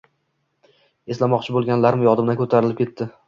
eslamoqchi bo‘lganlarim yodimdan ko‘tarilib ketdi.